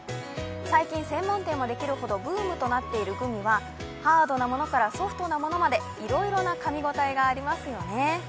最近、専門店もできるほどブームとなっているグミはハードなものからソフトなものまでいろいろなかみ応えがありますよね。